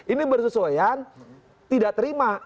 ini bersesuaian tidak terima